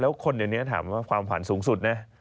แล้วคนเดี๋ยวนี้ถามว่าความขวัญสูงสุดนะ